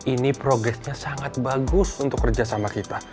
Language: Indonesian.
ini progresnya sangat bagus untuk kerja sama kita